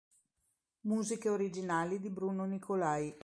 Musiche originali di Bruno Nicolai.